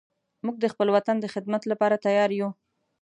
موږ د خپل وطن د خدمت لپاره تیار یو